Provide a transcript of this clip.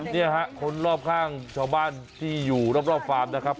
เนี่ยฮะคนรอบข้างชาวบ้านที่อยู่รอบฟาร์มนะครับ